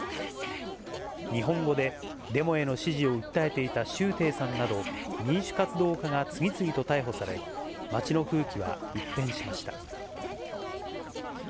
日本語で、デモへの支持を訴えていた周庭さんなど民主活動家が次々と逮捕され、街の空気は一変しました。